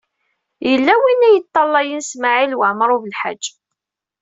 Yella win i yeṭṭalayen Smawil Waɛmaṛ U Belḥaǧ.